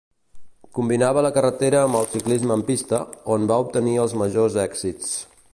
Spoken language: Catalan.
Combinava la carretera amb el ciclisme en pista, on va obtenir els majors èxits.